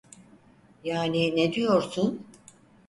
Yani ne diyorsun?